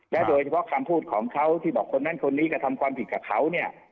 โดยเฉพาะคำพูดของเขาที่บอกคนนั้นคนนี้กระทำความผิดกับเขาเนี่ย